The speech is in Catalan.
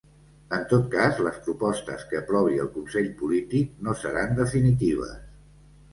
En tot cas, les propostes que aprovi el consell polític no seran definitives.